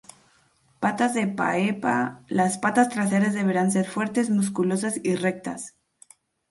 Patas de pae pah: Las patas traseras deberán ser fuertes, musculosas y rectas.